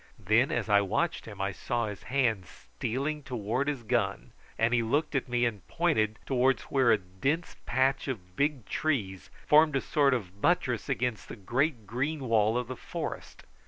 Then, as I watched him, I saw his hand stealing towards his gun, and he looked at me and pointed towards where a dense patch of big trees formed a sort of buttress to the great green wall of the forest.